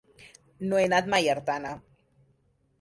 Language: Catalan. No he anat mai a Artana.